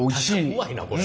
うまいなこれ。